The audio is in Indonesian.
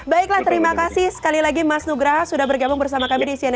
baiklah terima kasih sekali lagi mas nugraha sudah bergabung bersama kami di cnn indonesia